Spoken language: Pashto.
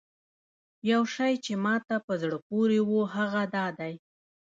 یو شی چې ماته په زړه پورې و هغه دا دی.